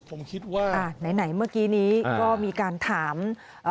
ผมคิดว่าอ่าไหนไหนเมื่อกี้นี้ก็มีการถามเอ่อ